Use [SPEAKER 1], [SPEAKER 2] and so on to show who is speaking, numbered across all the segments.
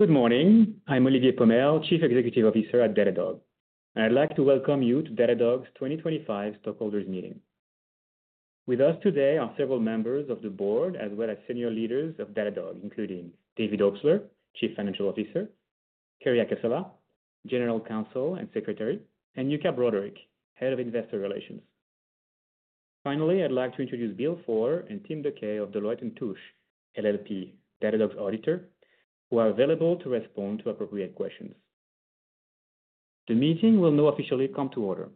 [SPEAKER 1] Good morning. I'm Olivier Pomel, Chief Executive Officer at Datadog, and I'd like to welcome you to Datadog's 2025 Stockholders' Meeting. With us today are several members of the board, as well as senior leaders of Datadog, including David Obstler, Chief Financial Officer; Carrie Akesawa, General Counsel and Secretary; and Yuka Broderick, Head of Investor Relations. Finally, I'd like to introduce Bill Fohr and Tim Deque of Deloitte & Touche LLP, Datadog's auditor, who are available to respond to appropriate questions. The meeting will now officially come to order.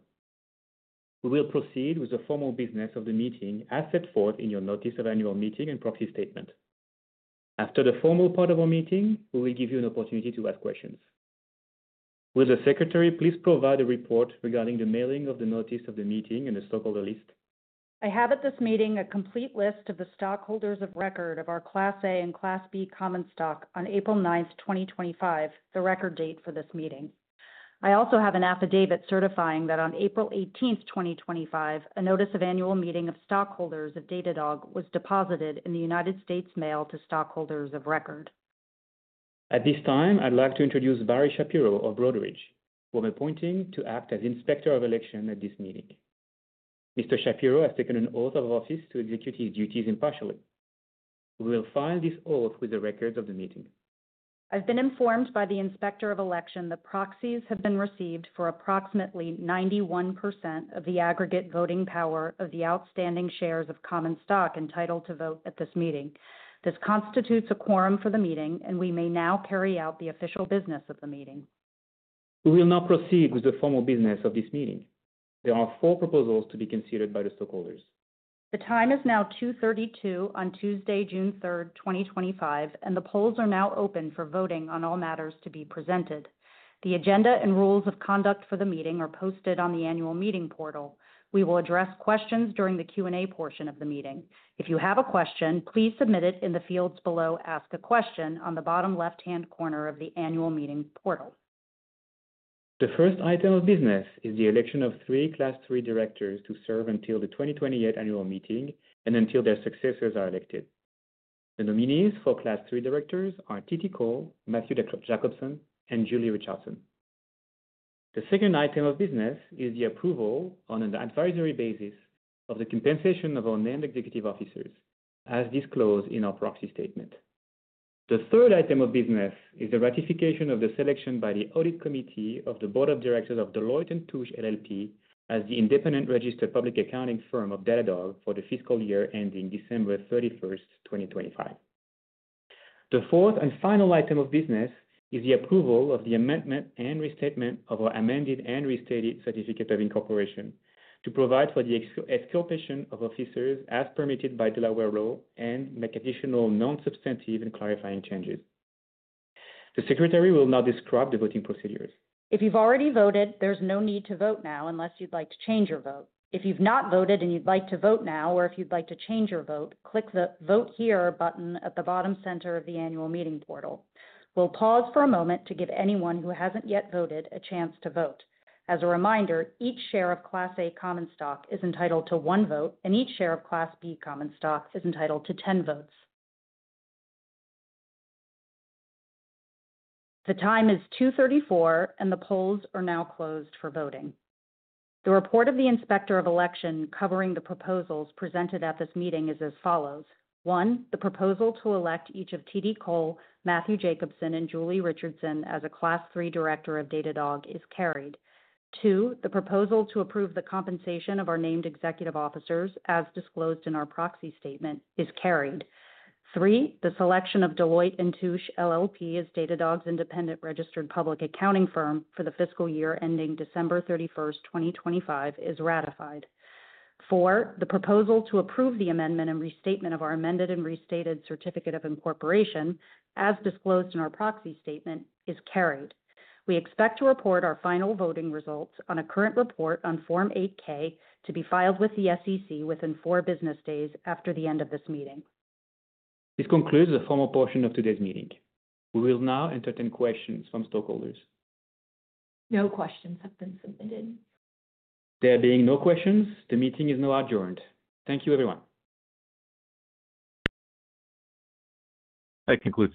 [SPEAKER 1] We will proceed with the formal business of the meeting as set forth in your Notice of Annual Meeting and Proxy Statement. After the formal part of our meeting, we will give you an opportunity to ask questions. Will the Secretary please provide a report regarding the mailing of the Notice of the Meeting and the Stockholder List?
[SPEAKER 2] I have at this meeting a complete list of the stockholders of record of our Class A and Class B Common Stock on April 9th, 2025, the record date for this meeting. I also have an affidavit certifying that on April 18th, 2025, a Notice of Annual Meeting of Stockholders of Datadog was deposited in the United States Mail to stockholders of record.
[SPEAKER 1] At this time, I'd like to introduce Barry Shapiro of Broadridge, who I'm appointing to act as Inspector of Election at this meeting. Mr. Shapiro has taken an oath of office to execute his duties impartially. We will file this oath with the records of the meeting.
[SPEAKER 2] I've been informed by the Inspector of Election that proxies have been received for approximately 91% of the aggregate voting power of the outstanding shares of Common Stock entitled to vote at this meeting. This constitutes a quorum for the meeting, and we may now carry out the official business of the meeting.
[SPEAKER 1] We will now proceed with the formal business of this meeting. There are four proposals to be considered by the stockholders.
[SPEAKER 2] The time is now 2:32 P.M. on Tuesday, June 3rd, 2025, and the polls are now open for voting on all matters to be presented. The agenda and rules of conduct for the meeting are posted on the Annual Meeting portal. We will address questions during the Q&A portion of the meeting. If you have a question, please submit it in the fields below Ask a Question on the bottom left-hand corner of the Annual Meeting portal.
[SPEAKER 1] The first item of business is the election of three Class three directors to serve until the 2028 Annual Meeting and until their successors are elected. The nominees for Class three directors are Titi Cole, Matthew Jacobsen, and Julie Richardson. The second item of business is the approval on an advisory basis of the compensation of our named executive officers, as disclosed in our Proxy Statement. The third item of business is the ratification of the selection by the Audit Committee of the Board of Directors of Deloitte & Touche LLP as the independent registered public accounting firm of Datadog for the fiscal year ending December 31st, 2025. The fourth and final item of business is the approval of the amendment and restatement of our amended and restated Certificate of Incorporation to provide for the exculpation of officers as permitted by Delaware law and make additional non-substantive and clarifying changes. The Secretary will now describe the voting procedures.
[SPEAKER 2] If you've already voted, there's no need to vote now unless you'd like to change your vote. If you've not voted and you'd like to vote now, or if you'd like to change your vote, click the Vote Here button at the bottom center of the Annual Meeting portal. We'll pause for a moment to give anyone who hasn't yet voted a chance to vote. As a reminder, each share of Class A Common Stock is entitled to one vote, and each share of Class B Common Stock is entitled to 10 votes. The time is 2:34 P.M., and the polls are now closed for voting. The report of the Inspector of Election covering the proposals presented at this meeting is as follows: One, the proposal to elect each of Titi Cole, Matthew Jacobsen, and Julie Richardson as a Class 3 Director of Datadog is carried. Two, the proposal to approve the compensation of our named executive officers, as disclosed in our Proxy Statement, is carried. Three, the selection of Deloitte & Touche LLP as Datadog's independent registered public accounting firm for the fiscal year ending December 31st, 2025, is ratified. Four, the proposal to approve the amendment and restatement of our amended and restated Certificate of Incorporation, as disclosed in our Proxy Statement, is carried. We expect to report our final voting results on a current report on Form 8-K to be filed with the SEC within four business days after the end of this meeting.
[SPEAKER 1] This concludes the formal portion of today's meeting. We will now entertain questions from stockholders.
[SPEAKER 2] No questions have been submitted.
[SPEAKER 1] There being no questions, the meeting is now adjourned. Thank you, everyone.
[SPEAKER 3] That concludes.